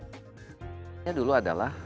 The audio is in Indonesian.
pertanyaannya dulu adalah